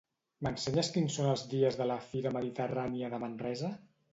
M'ensenyes quins són els dies de la "Fira Mediterrània" de Manresa?